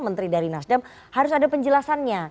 menteri dari nasdem harus ada penjelasannya